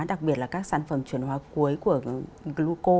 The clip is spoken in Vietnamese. đặc biệt là các sản phẩm chuyển hóa cuối của gluco